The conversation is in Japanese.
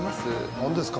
何ですか？